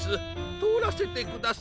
とおらせてください。